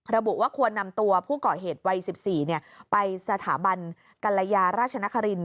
ระบุว่าควรนำตัวผู้ก่อเหตุวัย๑๔ไปสถาบันกรยาราชนคริน